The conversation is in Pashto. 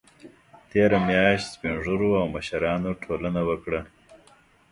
تېره میاشت سپین ږیرو او مشرانو ټولنه وکړه